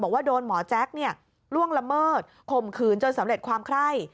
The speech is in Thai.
บอกว่าโดนหมอแจ๊คล่วงละเมิดข่มขืนจนสำเร็จความไคร่